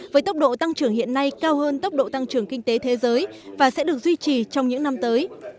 với tốc độ tăng trưởng hiện nay cao hơn tốc độ tăng trưởng kinh tế thế giới và sẽ được duy trì trong những năm tới